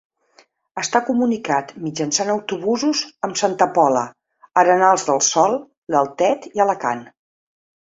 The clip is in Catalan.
Està comunicat mitjançant autobusos amb Santa Pola, Arenals del Sol, l'Altet i Alacant.